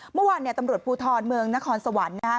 เมื่อวานเนี่ยตำรวจภูทรเมืองนครสวรรค์นะครับ